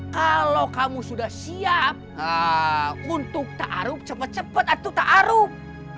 kalau kamu sudah siap untuk ta'arub cepat cepat atuk ta'arub